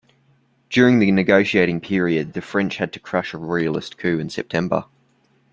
During the negotiating period the French had to crush a royalist coup in September.